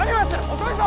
遅いぞ！